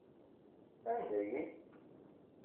Anda-yi?